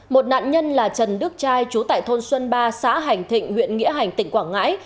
một nạn nhân là trần đức trai chú tại thôn xuân ba xã hành thịnh huyện nghĩa hành tỉnh quảng ngãi